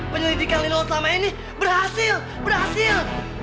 pelidikan linol selama ini berhasil berhasil